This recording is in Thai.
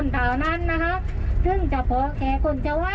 แต่ไม่ต้องกลัว